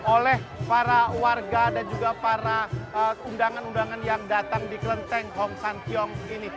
oleh para warga dan juga para undangan undangan yang datang di kelenteng hong san kiong ini